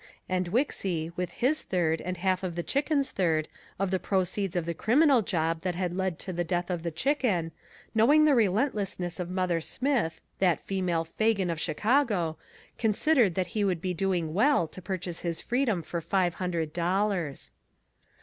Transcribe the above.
And Wixy, with his third, and half of the Chicken's third, of the proceeds of the criminal job that had led to the death of the Chicken, knowing the relentlessness of Mother Smith, that female Fagin of Chicago, considered that he would be doing well to purchase his freedom for five hundred dollars.